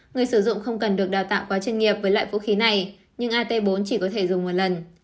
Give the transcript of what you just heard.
người sử dụng không cần được đào tạo quá chuyên nghiệp với loại vũ khí này nhưng at bốn chỉ có thể dùng một lần